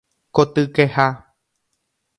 Kotykeha